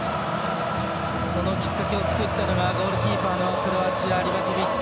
そのきっかけを作ったのがゴールキーパーのクロアチアリバコビッチ。